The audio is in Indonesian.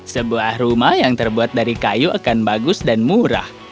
sebuah rumah yang terbuat dari kayu akan bagus dan murah